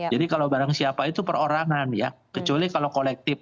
jadi kalau barang siapa itu perorangan ya kecuali kalau kolektif